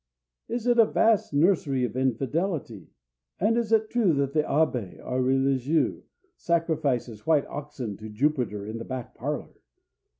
Is it a vast nursery of infidelity; and is it true that "the abbé or religieux" sacrifices white oxen to Jupiter in the back parlor?